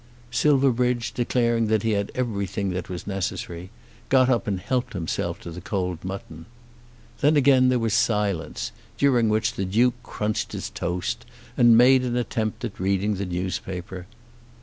Silverbridge, declaring that he had everything that was necessary, got up and helped himself to the cold mutton. Then again there was silence, during which the Duke crunched his toast and made an attempt at reading the newspaper.